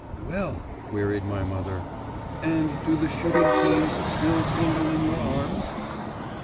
'Well,' queried my mother, 'and do the shooting pains still tingle in your arms?